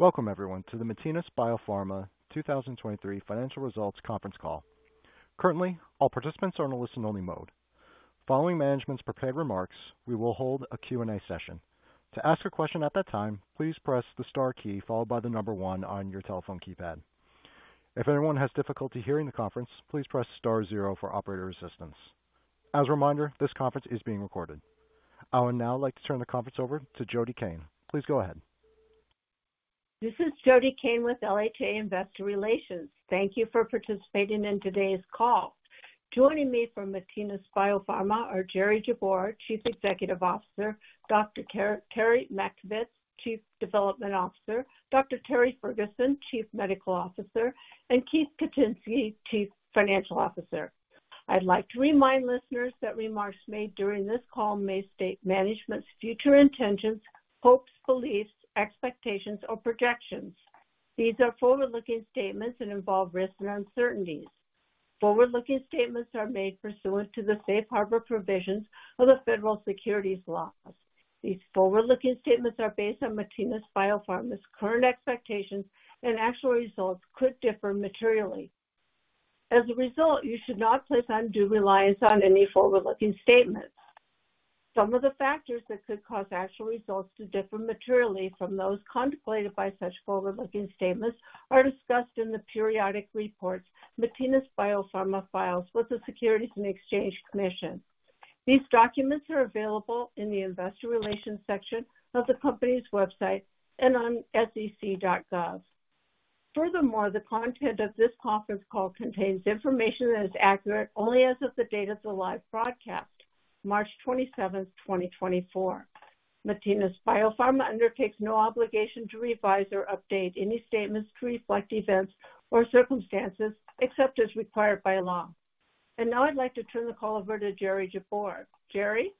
Welcome everyone, to the Matinas BioPharma 2023 financial results conference call. Currently, all participants are in a listen-only mode. Following management's prepared remarks, we will hold a Q&A session. To ask a question at that time, please press the star key followed by the number one on your telephone keypad. If anyone has difficulty hearing the conference, please press star zero for operator assistance. As a reminder, this conference is being recorded. I would now like to turn the conference over to Jody Cain. Please go ahead. This is Jody Cain with LHA Investor Relations. Thank you for participating in today's call. Joining me from Matinas BioPharma are Jerry Jabbour, Chief Executive Officer; Dr. Terry Matkovits, Chief Development Officer, Dr. Terry Ferguson, Chief Medical Officer, and Keith Kucinski, Chief Financial Officer. I'd like to remind listeners that remarks made during this call may state management's future intentions, hopes, beliefs, expectations, or projections. These are forward-looking statements and involve risks and uncertainties. Forward-looking statements are made pursuant to the safe harbor provisions of the federal securities laws. These forward-looking statements are based on Matinas BioPharma's current expectations, and actual results could differ materially. As a result, you should not place undue reliance on any forward-looking statements. Some of the factors that could cause actual results to differ materially from those contemplated by such forward-looking statements are discussed in the periodic reports Matinas BioPharma files with the Securities and Exchange Commission. These documents are available in the investor relations section of the company's website and on sec.gov. Furthermore, the content of this conference call contains information that is accurate only as of the date of the live broadcast, March 27th, 2024. Matinas BioPharma undertakes no obligation to revise or update any statements to reflect events or circumstances, except as required by law. And now I'd like to turn the call over to Jerry Jabbour. Jerry?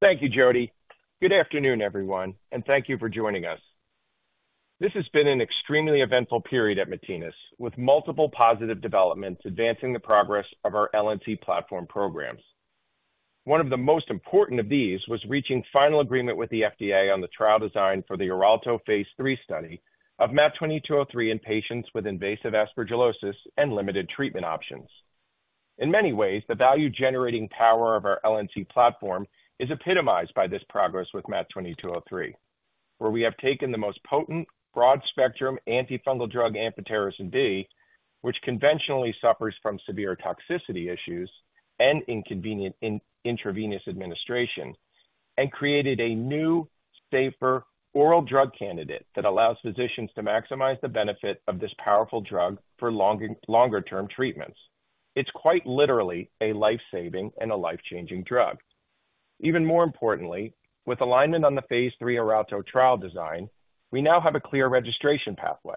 Thank you, Jody. Good afternoon, everyone, and thank you for joining us. This has been an extremely eventful period at Matinas, with multiple positive developments advancing the progress of our LNC platform programs. One of the most important of these was reaching final agreement with the FDA on the trial design for the ORALTO phase III study of MAT2203 in patients with invasive aspergillosis and limited treatment options. In many ways, the value-generating power of our LNC platform is epitomized by this progress with MAT2203, where we have taken the most potent, broad-spectrum, antifungal drug, amphotericin B, which conventionally suffers from severe toxicity issues and inconvenient intravenous administration, and created a new, safer oral drug candidate that allows physicians to maximize the benefit of this powerful drug for longer, longer-term treatments. It's quite literally a life-saving and a life-changing drug. Even more importantly, with alignment on the phase III ORALTO trial design, we now have a clear registration pathway.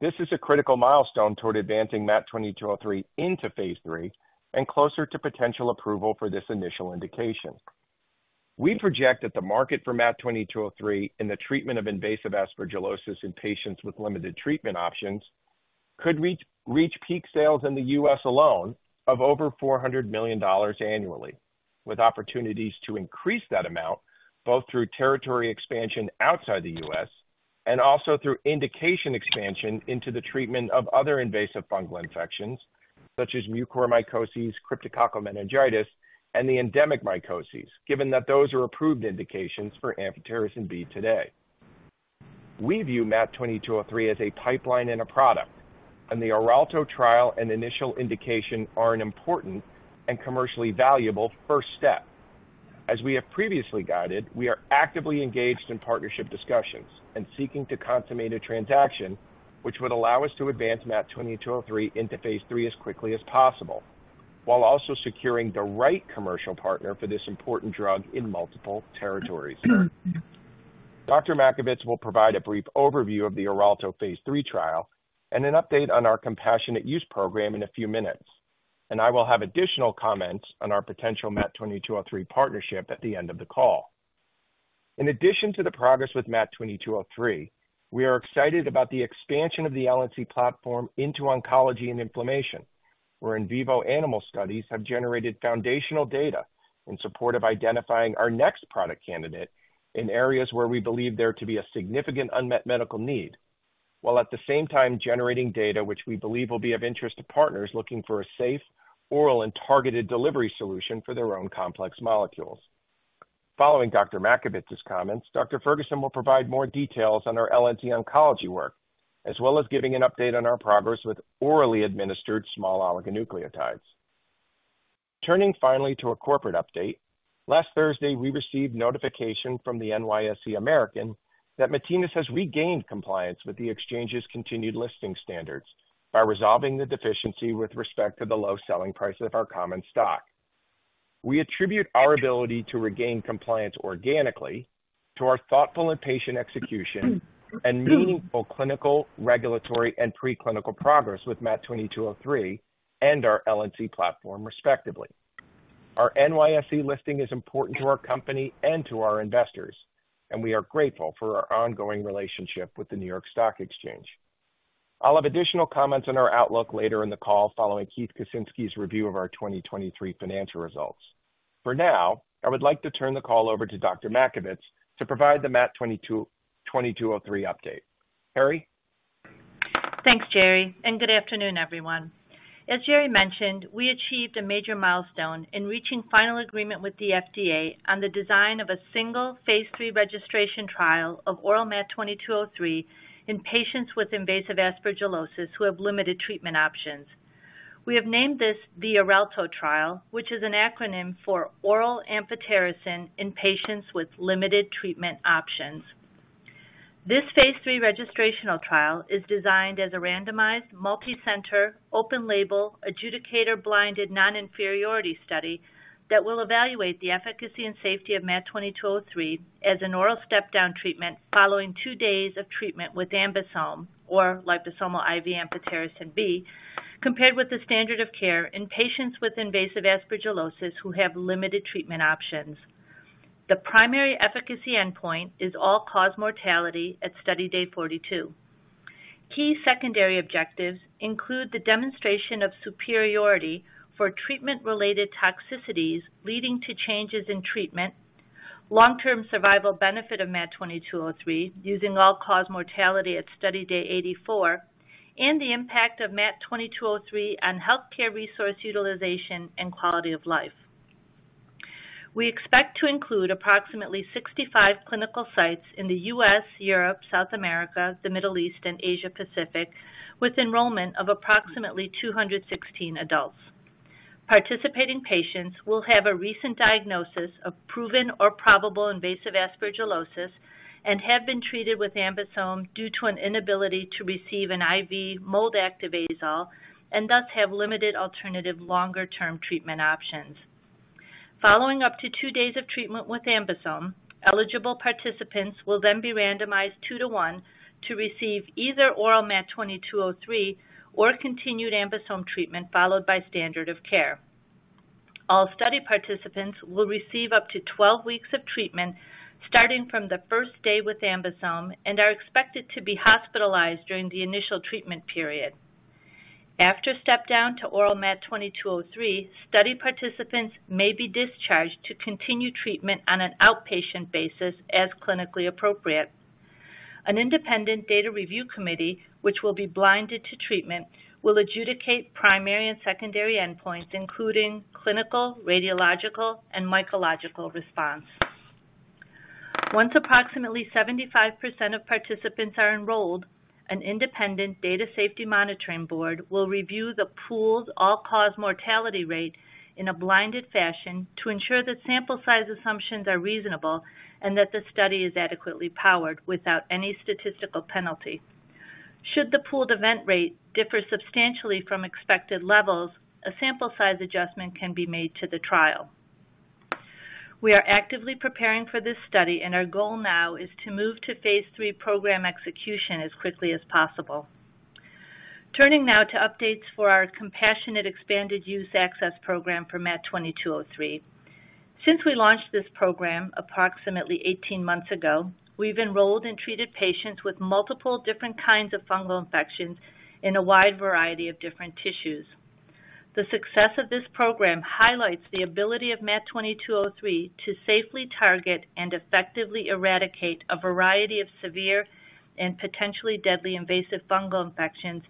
This is a critical milestone toward advancing MAT2203 into phase III and closer to potential approval for this initial indication. We project that the market for MAT2203 in the treatment of invasive aspergillosis in patients with limited treatment options could reach peak sales in the U.S. alone of over $400 million annually, with opportunities to increase that amount both through territory expansion outside the U.S. and also through indication expansion into the treatment of other invasive fungal infections, such as mucormycosis, cryptococcal meningitis, and the endemic mycoses, given that those are approved indications for amphotericin B today. We view MAT2203 as a pipeline and a product, and the ORALTO trial and initial indication are an important and commercially valuable first step. As we have previously guided, we are actively engaged in partnership discussions and seeking to consummate a transaction which would allow us to advance MAT2203 into phase III as quickly as possible, while also securing the right commercial partner for this important drug in multiple territories. Dr. Matkovits will provide a brief overview of the ORALTO phase III trial and an update on our compassionate use program in a few minutes, and I will have additional comments on our potential MAT2203 partnership at the end of the call. In addition to the progress with MAT2203, we are excited about the expansion of the LNC platform into oncology and inflammation, where in vivo animal studies have generated foundational data in support of identifying our next product candidate in areas where we believe there to be a significant unmet medical need, while at the same time generating data which we believe will be of interest to partners looking for a safe, oral, and targeted delivery solution for their own complex molecules. Following Dr. Matkovits's comments, Dr. Ferguson will provide more details on our LNC oncology work, as well as giving an update on our progress with orally administered small oligonucleotides. Turning finally to a corporate update, last Thursday, we received notification from the NYSE American that Matinas has regained compliance with the exchange's continued listing standards by resolving the deficiency with respect to the low selling price of our common stock. We attribute our ability to regain compliance organically to our thoughtful and patient execution and meaningful clinical, regulatory, and preclinical progress with MAT2203 and our LNC platform, respectively. Our NYSE listing is important to our company and to our investors, and we are grateful for our ongoing relationship with the New York Stock Exchange. I'll have additional comments on our outlook later in the call, following Keith Kucinski's review of our 2023 financial results. For now, I would like to turn the call over to Dr. Matkovits to provide the MAT2203 update. Terry? Thanks, Jerry, and good afternoon, everyone. As Jerry mentioned, we achieved a major milestone in reaching final agreement with the FDA on the design of a single phase III registration trial of oral MAT2203 in patients with invasive aspergillosis who have limited treatment options. We have named this the ORALTO trial, which is an acronym for Oral Amphotericin in Patients with Limited Treatment Options. This phase III registrational trial is designed as a randomized, multicenter, open label, adjudicator-blinded, non-inferiority study that will evaluate the efficacy and safety of MAT2203 as an oral step-down treatment following two days of treatment with AmBisome or liposomal IV amphotericin B, compared with the standard of care in patients with invasive aspergillosis who have limited treatment options. The primary efficacy endpoint is all-cause mortality at study day 42. Key secondary objectives include the demonstration of superiority for treatment-related toxicities leading to changes in treatment, long-term survival benefit of MAT2203 using all-cause mortality at study day 84, and the impact of MAT2203 on healthcare resource utilization and quality of life. We expect to include approximately 65 clinical sites in the U.S., Europe, South America, the Middle East, and Asia Pacific, with enrollment of approximately 216 adults. Participating patients will have a recent diagnosis of proven or probable invasive aspergillosis and have been treated with AmBisome due to an inability to receive an IV mold-active azole and thus have limited alternative longer-term treatment options. Following up to two days of treatment with AmBisome, eligible participants will then be randomized two to one to receive either oral MAT2203 or continued AmBisome treatment, followed by standard of care. All study participants will receive up to 12 weeks of treatment, starting from the first day with AmBisome, and are expected to be hospitalized during the initial treatment period. After step down to oral MAT2203, study participants may be discharged to continue treatment on an outpatient basis as clinically appropriate. An independent data review committee, which will be blinded to treatment, will adjudicate primary and secondary endpoints, including clinical, radiological, and mycological response. Once approximately 75% of participants are enrolled, an independent data safety monitoring board will review the pooled all-cause mortality rate in a blinded fashion to ensure that sample size assumptions are reasonable and that the study is adequately powered without any statistical penalty. Should the pooled event rate differ substantially from expected levels, a sample size adjustment can be made to the trial. We are actively preparing for this study, and our goal now is to move to phase III program execution as quickly as possible. Turning now to updates for our Compassionate Expanded Use Access Program for MAT2203. Since we launched this program approximately 18 months ago, we've enrolled and treated patients with multiple different kinds of fungal infections in a wide variety of different tissues. The success of this program highlights the ability of MAT2203 to safely target and effectively eradicate a variety of severe and potentially deadly invasive fungal infections,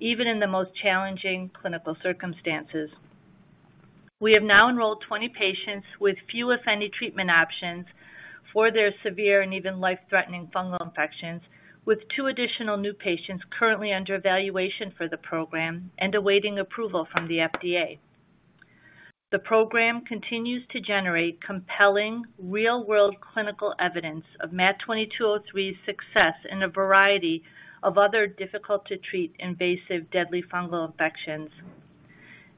even in the most challenging clinical circumstances. We have now enrolled 20 patients with few, if any, treatment options for their severe and even life-threatening fungal infections, with two additional new patients currently under evaluation for the program and awaiting approval from the FDA. The program continues to generate compelling, real-world clinical evidence of MAT2203's success in a variety of other difficult-to-treat, invasive, deadly fungal infections.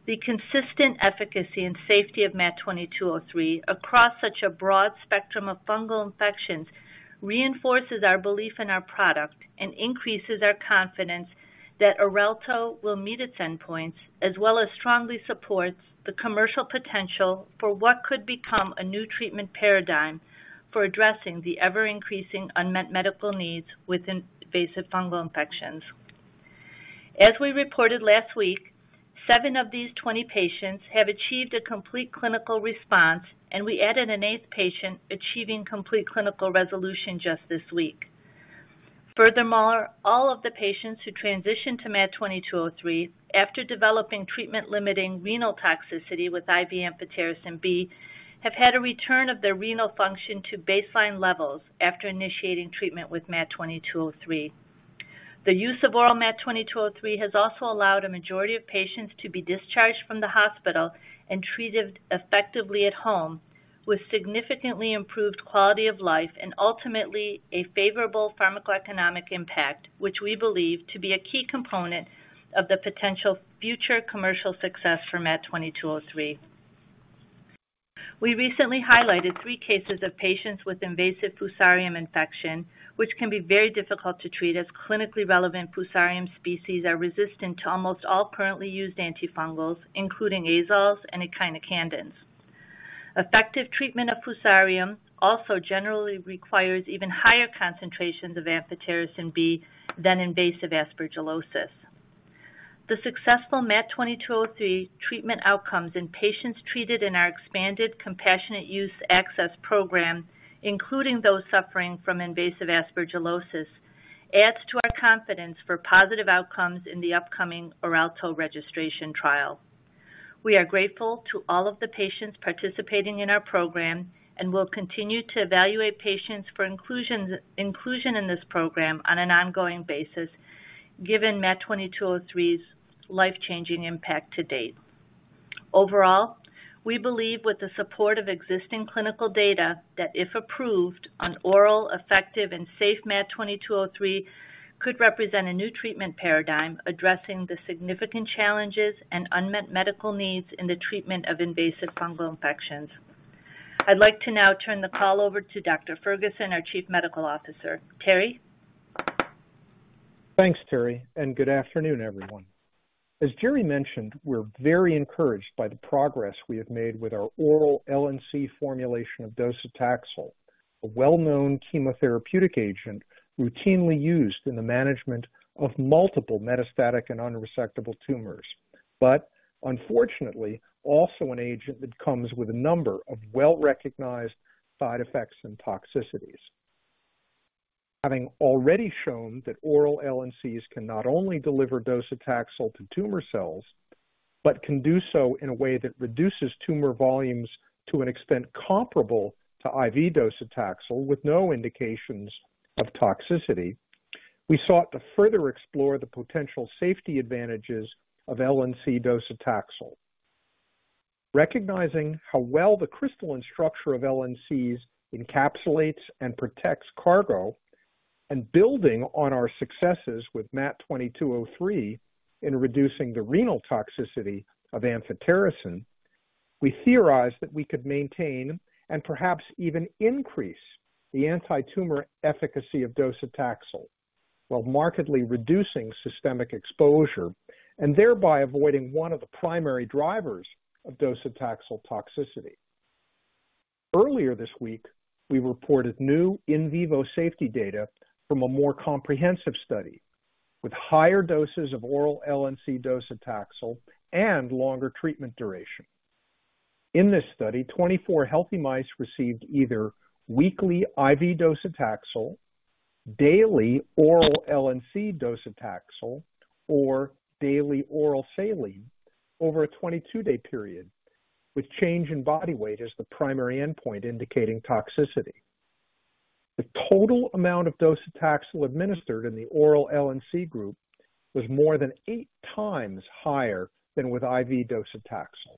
The consistent efficacy and safety of MAT2203 across such a broad spectrum of fungal infections reinforces our belief in our product and increases our confidence that ORALTO will meet its endpoints, as well as strongly supports the commercial potential for what could become a new treatment paradigm for addressing the ever-increasing unmet medical needs with invasive fungal infections. As we reported last week, seven of these 20 patients have achieved a complete clinical response, and we added an eighth patient achieving complete clinical resolution just this week. Furthermore, all of the patients who transitioned to MAT2203 after developing treatment-limiting renal toxicity with IV amphotericin B, have had a return of their renal function to baseline levels after initiating treatment with MAT2203. The use of oral MAT2203 has also allowed a majority of patients to be discharged from the hospital and treated effectively at home, with significantly improved quality of life and ultimately a favorable pharmacoeconomic impact, which we believe to be a key component of the potential future commercial success for MAT2203. We recently highlighted three cases of patients with invasive Fusarium infection, which can be very difficult to treat as clinically relevant Fusarium species are resistant to almost all currently used antifungals, including azoles and echinocandins. Effective treatment of Fusarium also generally requires even higher concentrations of amphotericin B than invasive aspergillosis. The successful MAT2203 treatment outcomes in patients treated in our expanded compassionate use access program, including those suffering from invasive aspergillosis, adds to our confidence for positive outcomes in the upcoming ORALTO registration trial. We are grateful to all of the patients participating in our program, and we'll continue to evaluate patients for inclusion in this program on an ongoing basis, given MAT2203's life-changing impact to date. Overall, we believe with the support of existing clinical data, that if approved, an oral, effective, and safe MAT2203 could represent a new treatment paradigm addressing the significant challenges and unmet medical needs in the treatment of invasive fungal infections. I'd like to now turn the call over to Dr. Ferguson, our Chief Medical Officer. Terry? Thanks, Terry, and good afternoon, everyone. As Jerry mentioned, we're very encouraged by the progress we have made with our oral LNC formulation of docetaxel, a well-known chemotherapeutic agent routinely used in the management of multiple metastatic and unresectable tumors, but unfortunately, also an agent that comes with a number of well-recognized side effects and toxicities. Having already shown that oral LNCs can not only deliver docetaxel to tumor cells, but can do so in a way that reduces tumor volumes to an extent comparable to IV docetaxel with no indications of toxicity, we sought to further explore the potential safety advantages of LNC docetaxel. Recognizing how well the crystalline structure of LNCs encapsulates and protects cargo, and building on our successes with MAT2203 in reducing the renal toxicity of amphotericin, we theorized that we could maintain and perhaps even increase the antitumor efficacy of docetaxel, while markedly reducing systemic exposure and thereby avoiding one of the primary drivers of docetaxel toxicity. Earlier this week, we reported new in vivo safety data from a more comprehensive study with higher doses of oral LNC docetaxel and longer treatment duration. In this study, 24 healthy mice received either weekly IV docetaxel, daily oral LNC docetaxel, or daily oral saline over a 22-day period, with change in body weight as the primary endpoint indicating toxicity. The total amount of docetaxel administered in the oral LNC group was more than eight times higher than with IV docetaxel.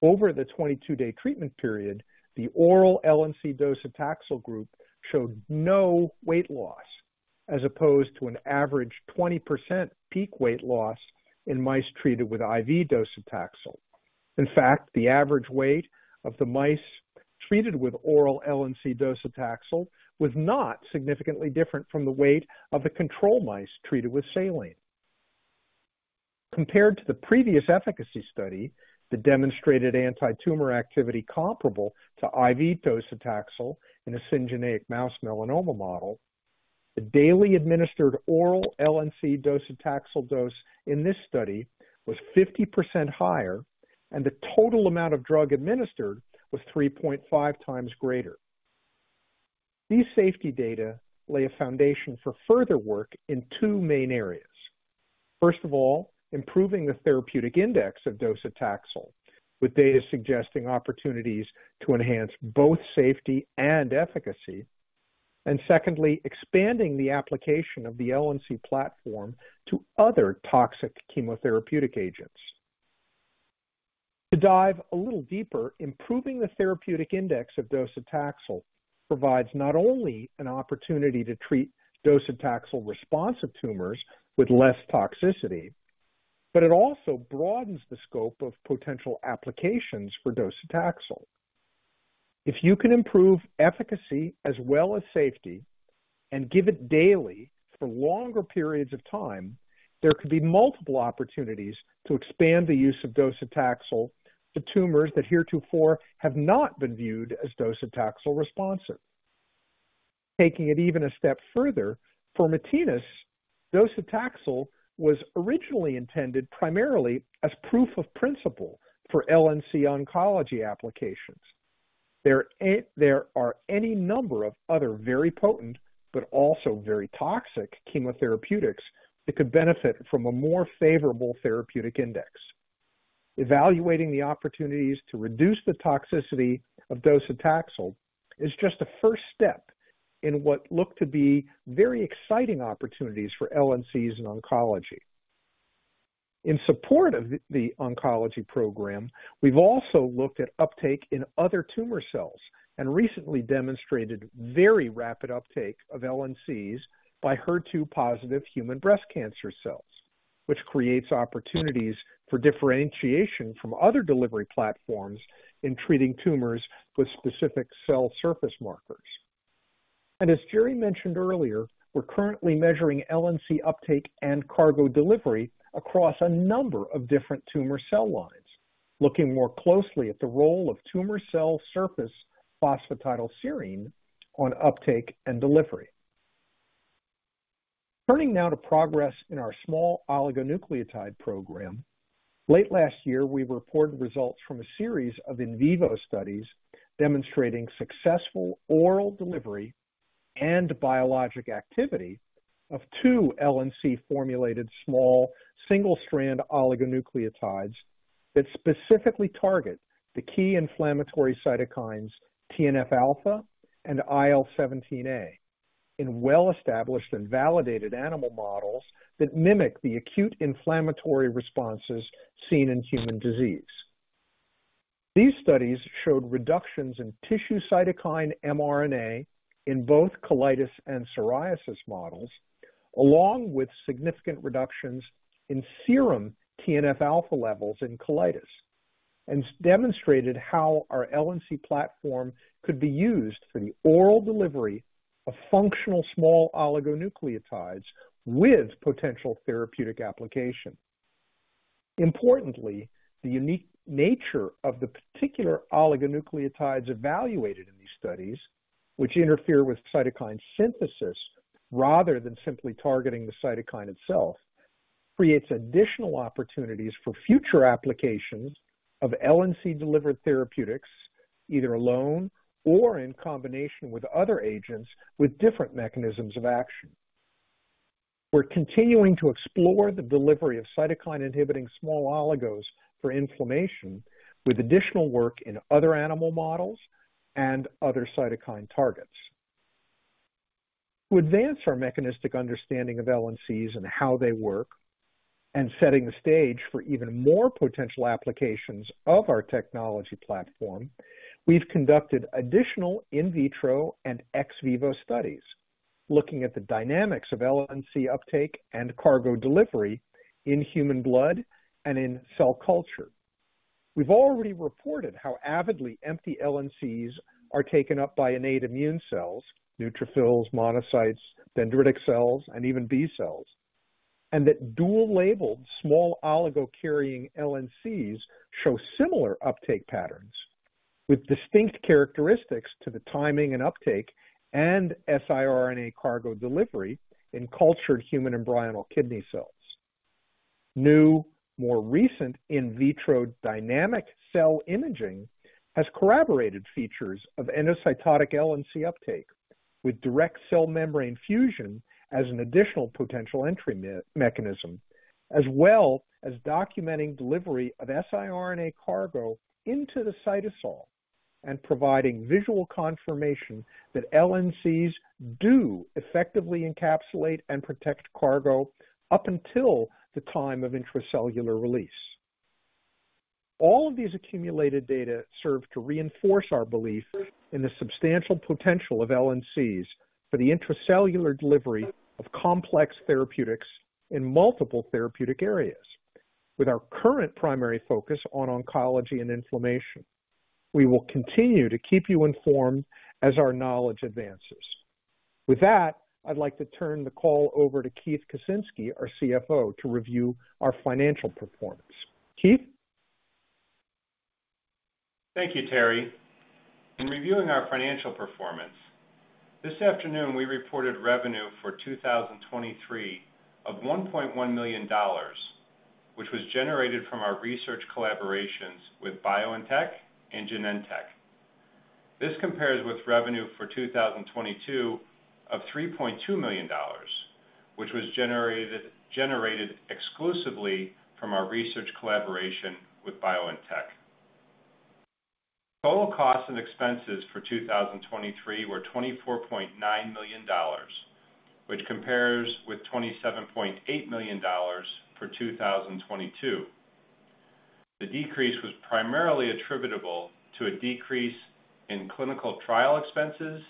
Over the 22-day treatment period, the oral LNC docetaxel group showed no weight loss, as opposed to an average 20% peak weight loss in mice treated with IV docetaxel. In fact, the average weight of the mice treated with oral LNC docetaxel was not significantly different from the weight of the control mice treated with saline. Compared to the previous efficacy study, the demonstrated antitumor activity comparable to IV docetaxel in a syngeneic mouse melanoma model, the daily administered oral LNC docetaxel dose in this study was 50% higher, and the total amount of drug administered was three point five times greater. These safety data lay a foundation for further work in two main areas. First of all, improving the therapeutic index of docetaxel, with data suggesting opportunities to enhance both safety and efficacy, and secondly, expanding the application of the LNC platform to other toxic chemotherapeutic agents. To dive a little deeper, improving the therapeutic index of docetaxel provides not only an opportunity to treat docetaxel-responsive tumors with less toxicity, but it also broadens the scope of potential applications for docetaxel. If you can improve efficacy as well as safety and give it daily for longer periods of time, there could be multiple opportunities to expand the use of docetaxel to tumors that heretofore have not been viewed as docetaxel responsive. Taking it even a step further, for Matinas, docetaxel was originally intended primarily as proof of principle for LNC oncology applications. There are any number of other very potent, but also very toxic chemotherapeutics that could benefit from a more favorable therapeutic index. Evaluating the opportunities to reduce the toxicity of docetaxel is just a first step in what look to be very exciting opportunities for LNCs in oncology. In support of the oncology program, we've also looked at uptake in other tumor cells and recently demonstrated very rapid uptake of LNCs by HER2 positive human breast cancer cells, which creates opportunities for differentiation from other delivery platforms in treating tumors with specific cell surface markers.... As Jerry mentioned earlier, we're currently measuring LNC uptake and cargo delivery across a number of different tumor cell lines, looking more closely at the role of tumor cell surface phosphatidylserine on uptake and delivery. Turning now to progress in our small oligonucleotide program. Late last year, we reported results from a series of in vivo studies demonstrating successful oral delivery and biologic activity of two LNC-formulated small single-strand oligonucleotides that specifically target the key inflammatory cytokines, TNF-alpha and IL-17A, in well-established and validated animal models that mimic the acute inflammatory responses seen in human disease. These studies showed reductions in tissue cytokine mRNA in both colitis and psoriasis models, along with significant reductions in serum TNF-alpha levels in colitis, and demonstrated how our LNC platform could be used for the oral delivery of functional small oligonucleotides with potential therapeutic application. Importantly, the unique nature of the particular oligonucleotides evaluated in these studies, which interfere with cytokine synthesis rather than simply targeting the cytokine itself, creates additional opportunities for future applications of LNC-delivered therapeutics, either alone or in combination with other agents with different mechanisms of action. We're continuing to explore the delivery of cytokine-inhibiting small oligos for inflammation, with additional work in other animal models and other cytokine targets. To advance our mechanistic understanding of LNCs and how they work, and setting the stage for even more potential applications of our technology platform, we've conducted additional in vitro and ex vivo studies, looking at the dynamics of LNC uptake and cargo delivery in human blood and in cell culture. We've already reported how avidly empty LNCs are taken up by innate immune cells, neutrophils, monocytes, dendritic cells, and even B-cells, and that dual-labeled small oligo-carrying LNCs show similar uptake patterns with distinct characteristics to the timing and uptake and siRNA cargo delivery in cultured human embryonal kidney cells. New, more recent in vitro dynamic cell imaging has corroborated features of endocytotic LNC uptake, with direct cell membrane fusion as an additional potential entry mechanism, as well as documenting delivery of siRNA cargo into the cytosol and providing visual confirmation that LNCs do effectively encapsulate and protect cargo up until the time of intracellular release. All of these accumulated data serve to reinforce our belief in the substantial potential of LNCs for the intracellular delivery of complex therapeutics in multiple therapeutic areas. With our current primary focus on oncology and inflammation, we will continue to keep you informed as our knowledge advances. With that, I'd like to turn the call over to Keith Kucinski, our CFO, to review our financial performance. Keith? Thank you, Terry. In reviewing our financial performance, this afternoon, we reported revenue for 2023 of $1.1 million, which was generated from our research collaborations with BioNTech and Genentech. This compares with revenue for 2022 of $3.2 million, which was generated exclusively from our research collaboration with BioNTech. Total costs and expenses for 2023 were $24.9 million, which compares with $27.8 million for 2022. The decrease was primarily attributable to a decrease in clinical trial expenses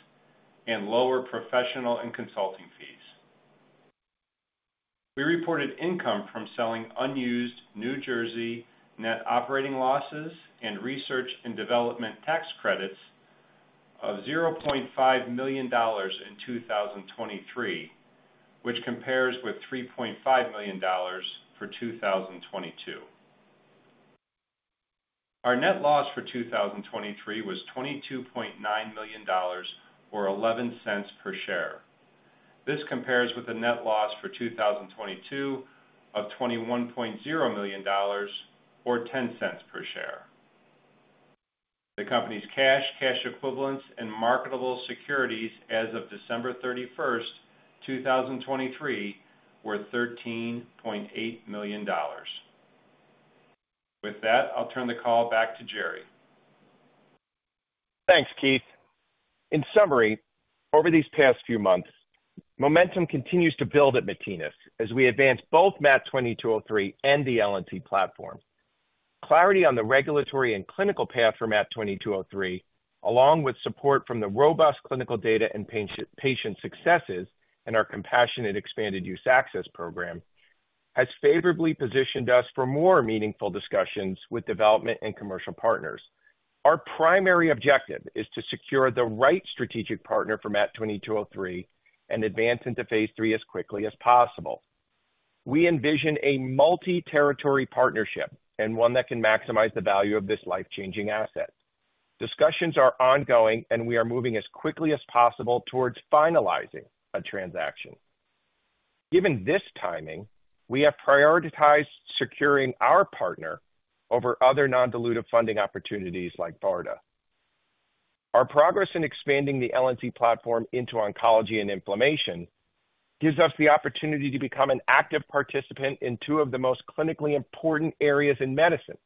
and lower professional and consulting fees. We reported income from selling unused New Jersey net operating losses and research and development tax credits of $0.5 million in 2023, which compares with $3.5 million for 2022. Our net loss for 2023 was $22.9 million or $0.11 per share. This compares with a net loss for 2022 of $21.0 million or $0.10 per share. The company's cash, cash equivalents, and marketable securities as of December 31st, 2023, were $13.8 million. With that, I'll turn the call back to Jerry. Thanks, Keith. In summary, over these past few months, momentum continues to build at Matinas as we advance both MAT2203 and the LNC platform. Clarity on the regulatory and clinical path for MAT2203, along with support from the robust clinical data and patient successes in our Compassionate Expanded Use Access Program. ... has favorably positioned us for more meaningful discussions with development and commercial partners. Our primary objective is to secure the right strategic partner for MAT2203 and advance into phase III as quickly as possible. We envision a multi-territory partnership and one that can maximize the value of this life-changing asset. Discussions are ongoing, and we are moving as quickly as possible towards finalizing a transaction. Given this timing, we have prioritized securing our partner over other non-dilutive funding opportunities like BARDA. Our progress in expanding the LNC platform into oncology and inflammation gives us the opportunity to become an active participant in two of the most clinically important areas in medicine.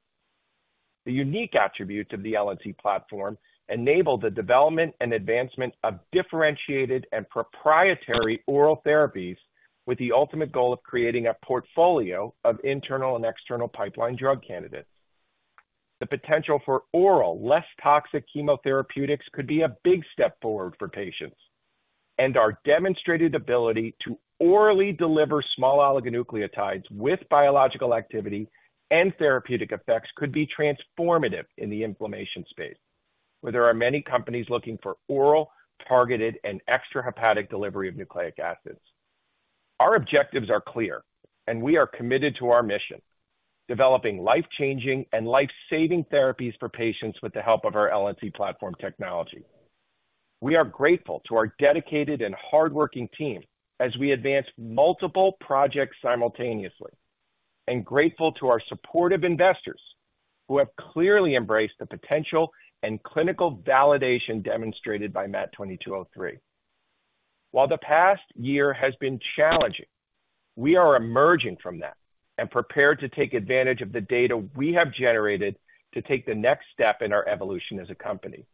The unique attributes of the LNC platform enable the development and advancement of differentiated and proprietary oral therapies, with the ultimate goal of creating a portfolio of internal and external pipeline drug candidates. The potential for oral, less toxic chemotherapeutics could be a big step forward for patients, and our demonstrated ability to orally deliver small oligonucleotides with biological activity and therapeutic effects could be transformative in the inflammation space, where there are many companies looking for oral, targeted, and extrahepatic delivery of nucleic acids. Our objectives are clear, and we are committed to our mission, developing life-changing and life-saving therapies for patients with the help of our LNC platform technology. We are grateful to our dedicated and hardworking team as we advance multiple projects simultaneously, and grateful to our supportive investors who have clearly embraced the potential and clinical validation demonstrated by MAT2203. While the past year has been challenging, we are emerging from that and prepared to take advantage of the data we have generated to take the next step in our evolution as a company.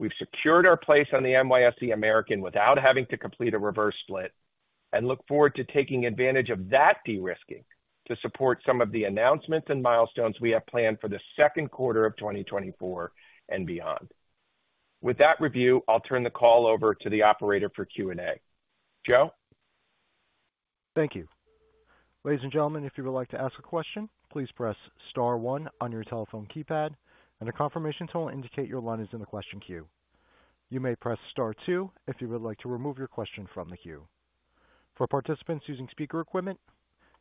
We've secured our place on the NYSE American without having to complete a reverse split, and look forward to taking advantage of that de-risking to support some of the announcements and milestones we have planned for the second quarter of 2024 and beyond. With that review, I'll turn the call over to the operator for Q&A. Joe? Thank you. Ladies and gentlemen, if you would like to ask a question, please press star one on your telephone keypad, and a confirmation tone will indicate your line is in the question queue. You may press star two if you would like to remove your question from the queue. For participants using speaker equipment,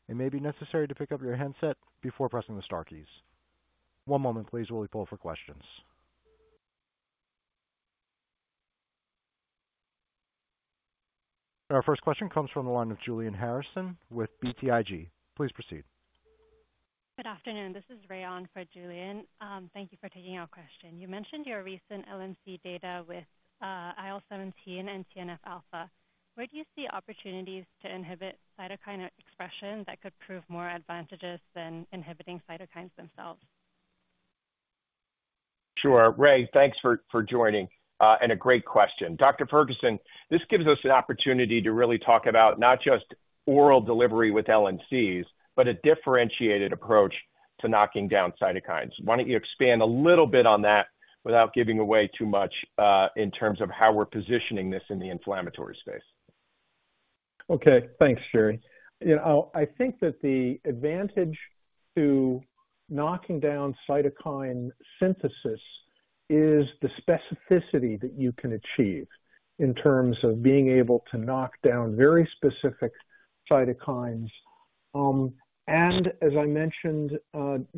it may be necessary to pick up your handset before pressing the star keys. One moment, please, while we pull for questions. Our first question comes from the line of Julian Harrison with BTIG. Please proceed. Good afternoon, this is Ryan for Julian. Thank you for taking our question. You mentioned your recent LNC data with, IL-17 and TNF-alpha. Where do you see opportunities to inhibit cytokine expression that could prove more advantageous than inhibiting cytokines themselves? Sure. Ray, thanks for joining, and a great question. Dr. Ferguson, this gives us an opportunity to really talk about not just oral delivery with LNCs, but a differentiated approach to knocking down cytokines. Why don't you expand a little bit on that without giving away too much, in terms of how we're positioning this in the inflammatory space? Okay, thanks, Jerry. You know, I think that the advantage to knocking down cytokine synthesis is the specificity that you can achieve in terms of being able to knock down very specific cytokines. And as I mentioned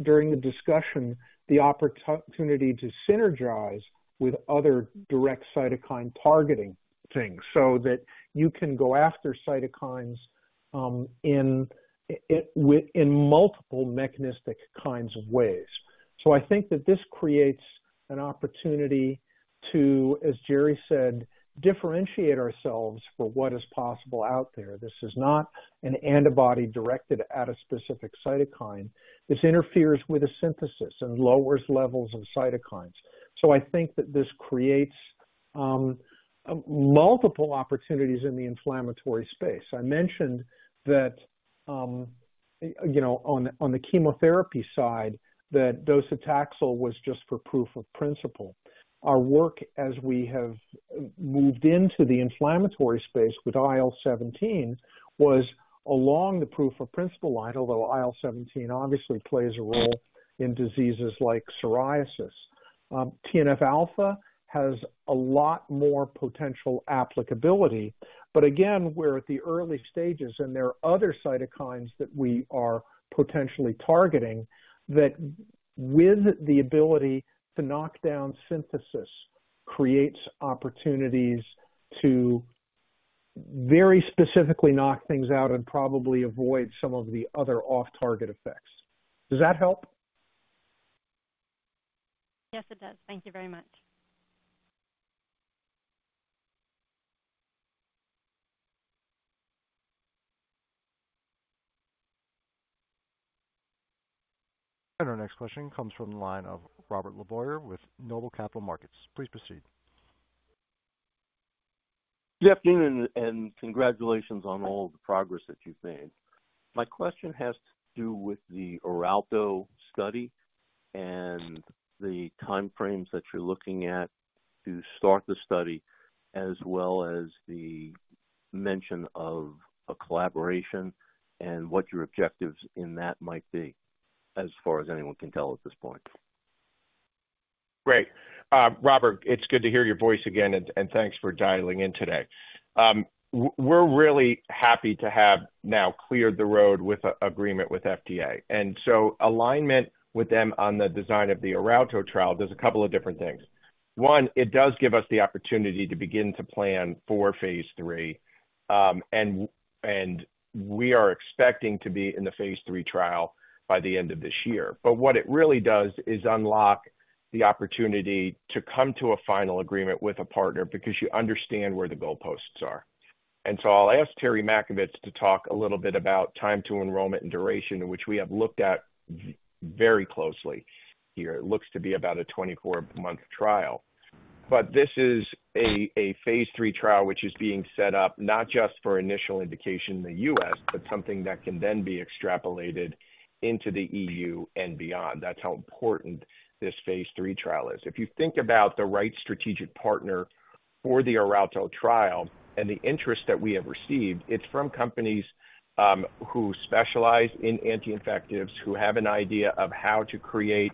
during the discussion, the opportunity to synergize with other direct cytokine targeting things so that you can go after cytokines in with in multiple mechanistic kinds of ways. So I think that this creates an opportunity to, as Jerry said, differentiate ourselves for what is possible out there. This is not an antibody directed at a specific cytokine. This interferes with the synthesis and lowers levels of cytokines. So I think that this creates multiple opportunities in the inflammatory space. I mentioned that, you know, on the chemotherapy side, that docetaxel was just for proof of principle. Our work as we have moved into the inflammatory space with IL-17, was along the proof of principle line, although IL-17 obviously plays a role in diseases like psoriasis. TNF-alpha has a lot more potential applicability. But again, we're at the early stages, and there are other cytokines that we are potentially targeting, that with the ability to knock down synthesis, creates opportunities to very specifically knock things out and probably avoid some of the other off-target effects. Does that help? Yes, it does. Thank you very much. Our next question comes from the line of Robert LeBoyer with Noble Capital Markets. Please proceed. Good afternoon, and congratulations on all the progress that you've made. My question has to do with the ORALTO study.... and the time frames that you're looking at to start the study, as well as the mention of a collaboration and what your objectives in that might be, as far as anyone can tell at this point. Great. Robert, it's good to hear your voice again, and thanks for dialing in today. We're really happy to have now cleared the road with an agreement with FDA. And so alignment with them on the design of the ORALTO trial, there's a couple of different things. One, it does give us the opportunity to begin to plan for phase III, and we are expecting to be in the phase III trial by the end of this year. But what it really does is unlock the opportunity to come to a final agreement with a partner, because you understand where the goalposts are. And so I'll ask Terry Matkovits to talk a little bit about time to enrollment and duration, which we have looked at very closely here. It looks to be about a 24-month trial. But this is a phase III trial, which is being set up not just for initial indication in the U.S., but something that can then be extrapolated into the E.U. and beyond. That's how important this phase III trial is. If you think about the right strategic partner for the ORALTO trial and the interest that we have received, it's from companies who specialize in anti-infectives, who have an idea of how to create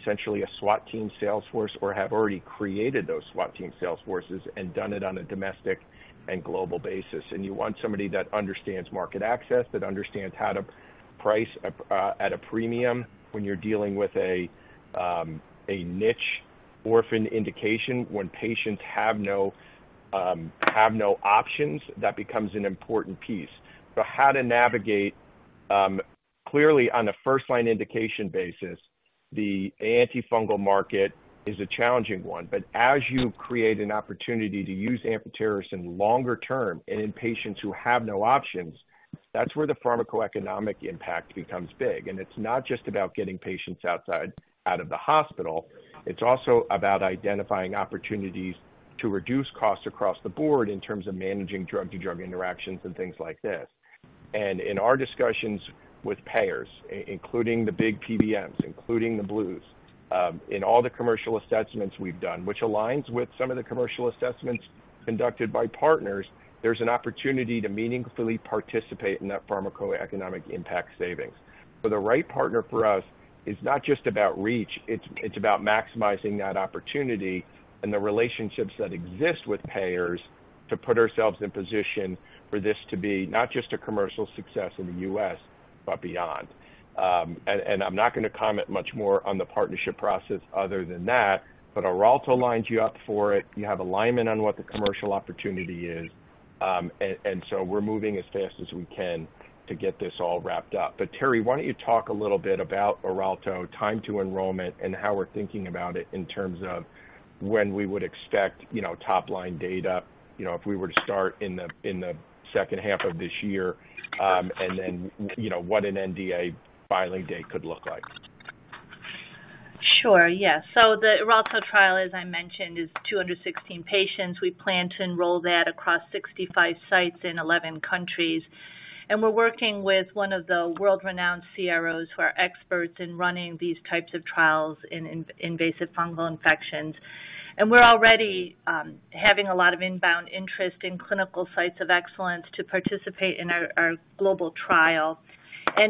essentially a SWAT team sales force, or have already created those SWAT team sales forces and done it on a domestic and global basis. And you want somebody that understands market access, that understands how to price at a premium when you're dealing with a niche orphan indication. When patients have no options, that becomes an important piece. So how to navigate, clearly, on a first-line indication basis, the antifungal market is a challenging one. But as you create an opportunity to use amphotericin longer term and in patients who have no options, that's where the pharmacoeconomic impact becomes big. And it's not just about getting patients outside, out of the hospital, it's also about identifying opportunities to reduce costs across the board in terms of managing drug-to-drug interactions and things like this. And in our discussions with payers, including the big PBMs, including the Blues, in all the commercial assessments we've done, which aligns with some of the commercial assessments conducted by partners, there's an opportunity to meaningfully participate in that pharmacoeconomic impact savings. So the right partner for us is not just about reach, it's about maximizing that opportunity and the relationships that exist with payers to put ourselves in position for this to be not just a commercial success in the U.S., but beyond. And I'm not going to comment much more on the partnership process other than that, but ORALTO lines you up for it. You have alignment on what the commercial opportunity is, and so we're moving as fast as we can to get this all wrapped up. But, Terry, why don't you talk a little bit about ORALTO, time to enrollment and how we're thinking about it in terms of when we would expect, you know, top-line data, you know, if we were to start in the, in the second half of this year, and then, you know, what an NDA filing date could look like? Sure. Yes. The ORALTO trial, as I mentioned, is 216 patients. We plan to enroll that across 65 sites in 11 countries, and we're working with one of the world-renowned CROs, who are experts in running these types of trials in invasive fungal infections. We're already having a lot of inbound interest in clinical sites of excellence to participate in our global trial.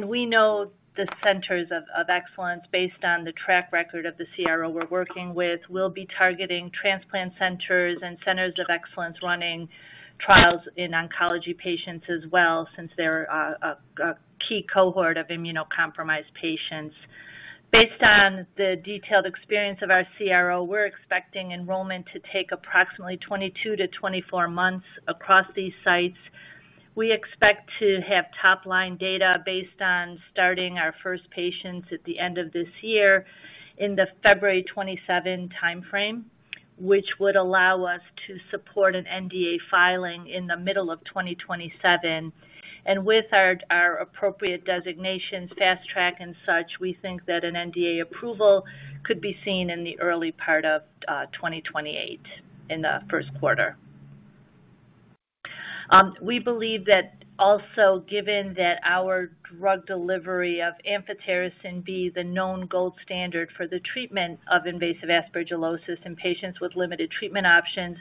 We know the centers of excellence based on the track record of the CRO we're working with. We'll be targeting transplant centers and centers of excellence, running trials in oncology patients as well, since they're a key cohort of immunocompromised patients. Based on the detailed experience of our CRO, we're expecting enrollment to take approximately 22-24 months across these sites. We expect to have top-line data based on starting our first patients at the end of this year, in the February 2027 timeframe, which would allow us to support an NDA filing in the middle of 2027. And with our, our appropriate designations, Fast Track and such, we think that an NDA approval could be seen in the early part of 2028, in the first quarter. We believe that also, given that our drug delivery of amphotericin B the known gold standard for the treatment of invasive aspergillosis in patients with limited treatment options,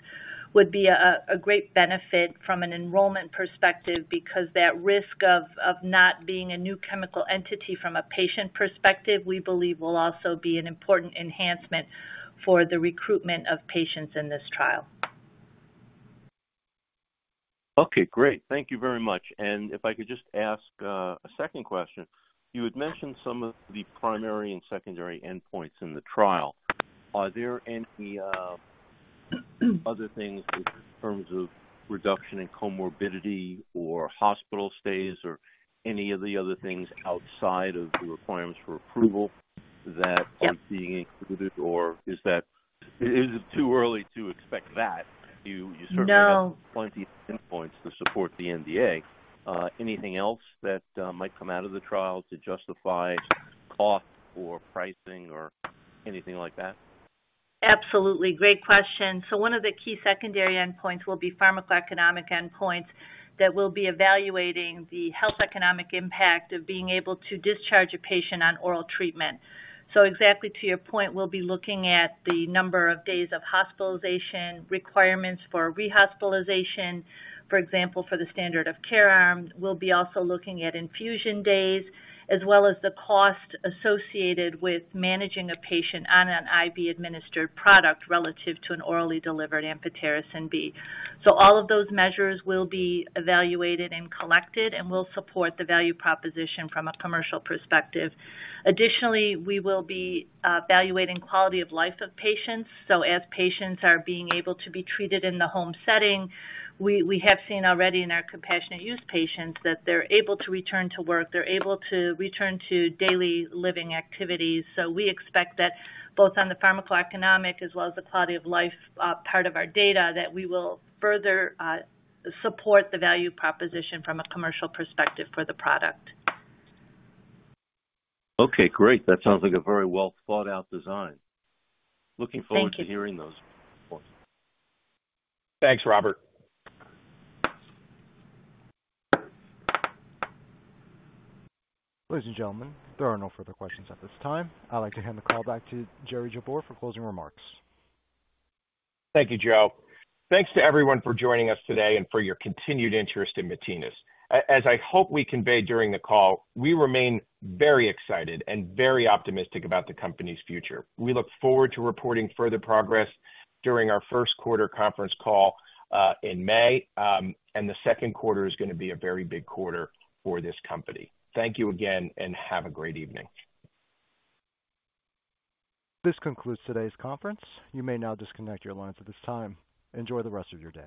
would be a, a great benefit from an enrollment perspective, because that risk of, of not being a new chemical entity from a patient perspective, we believe will also be an important enhancement for the recruitment of patients in this trial. Okay, great. Thank you very much. And if I could just ask a second question. You had mentioned some of the primary and secondary endpoints in the trial. Are there any other things in terms of reduction in comorbidity or hospital stays, or any of the other things outside of the requirements for approval that... Yep. are being included, or is that... Is it too early to expect that? You, you certainly- No. -have plenty of endpoints to support the NDA. Anything else that might come out of the trial to justify cost or pricing or anything like that?... Absolutely. Great question. So one of the key secondary endpoints will be pharmacoeconomic endpoints that will be evaluating the health economic impact of being able to discharge a patient on oral treatment. So exactly to your point, we'll be looking at the number of days of hospitalization, requirements for rehospitalization, for example, for the standard of care arm. We'll be also looking at infusion days, as well as the cost associated with managing a patient on an IV-administered product relative to an orally delivered amphotericin B. So all of those measures will be evaluated and collected, and we'll support the value proposition from a commercial perspective. Additionally, we will be evaluating quality of life of patients. So as patients are being able to be treated in the home setting, we, we have seen already in our compassionate use patients that they're able to return to work, they're able to return to daily living activities. So we expect that both on the pharmacoeconomic as well as the quality of life part of our data, that we will further support the value proposition from a commercial perspective for the product. Okay, great. That sounds like a very well-thought-out design. Looking forward- Thank you. To hearing those. Thanks, Robert. Ladies and gentlemen, there are no further questions at this time. I'd like to hand the call back to Jerry Jabbour for closing remarks. Thank you, Joe. Thanks to everyone for joining us today and for your continued interest in Matinas. As I hope we conveyed during the call, we remain very excited and very optimistic about the company's future. We look forward to reporting further progress during our first quarter conference call in May. And the second quarter is gonna be a very big quarter for this company. Thank you again, and have a great evening. This concludes today's conference. You may now disconnect your lines at this time. Enjoy the rest of your day.